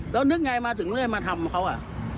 แล้วนึกยังไงมาถึงมาทำเขาอ่ะ